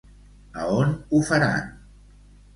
A on ho faran?